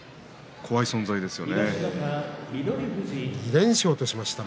怖い存在ですよね。